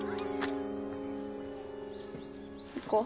行こう。